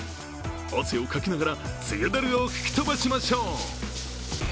汗をかきながら梅雨ダルを吹き飛ばしましょう。